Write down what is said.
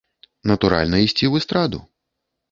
Натуральна ісці ў эстраду.